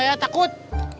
aku sama ya takut